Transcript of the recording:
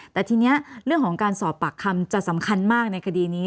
แต่ทีนี้เรื่องของการสอบปากคำจะสำคัญมากในคดีนี้